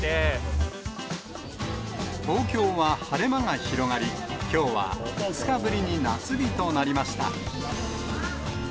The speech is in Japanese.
東京は晴れ間が広がり、きょうは５日ぶりに夏日となりました。